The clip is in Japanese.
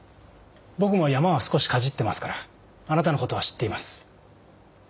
僕も山は少しかじってますからあなたのことは知っています。